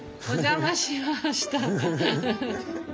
お邪魔しました。